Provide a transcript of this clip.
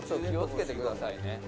気を付けてくださいね。